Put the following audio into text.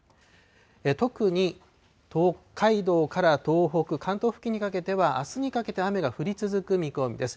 特に北海道から東北、関東付近にかけては、あすにかけて雨が降り続く見込みです。